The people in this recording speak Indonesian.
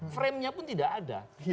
frame nya pun tidak ada